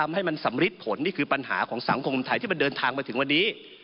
ให้มันสำริดผลนี่คือปัญหาของสังคมไทยที่มันเดินทางมาถึงวันนี้